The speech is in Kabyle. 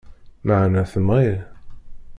Meεna temɣi.